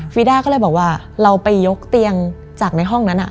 ีด้าก็เลยบอกว่าเราไปยกเตียงจากในห้องนั้น